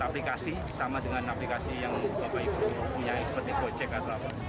aplikasi sama dengan aplikasi yang bapak ibu punya seperti gojek atau apa